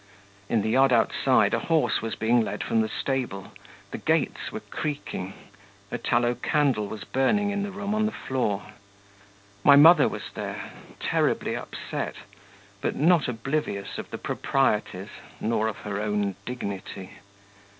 In the yard outside, a horse was being led from the stable, the gates were creaking, a tallow candle was burning in the room on the floor, my mother was there, terribly upset, but not oblivious of the proprieties, nor of her own dignity.